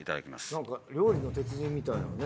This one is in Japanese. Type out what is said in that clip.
何か『料理の鉄人』みたいなね。